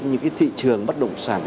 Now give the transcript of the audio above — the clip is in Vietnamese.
những thị trường bất động sản